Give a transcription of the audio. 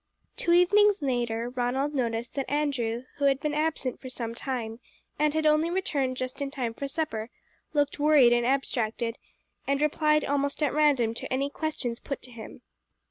Two evenings later Ronald noticed that Andrew, who had been absent for some time, and had only returned just in time for supper, looked worried and abstracted, and replied almost at random to any questions put to him.